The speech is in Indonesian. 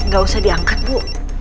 gak usah diangkat bu